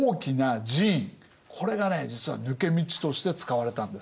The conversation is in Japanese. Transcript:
これがね実は抜け道として使われたんです。